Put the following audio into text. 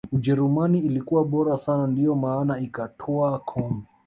ujerumani ilikuwa bora sana ndiyo maana ikatwaa kombe